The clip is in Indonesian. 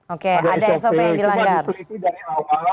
oke ada sop yang dilanggar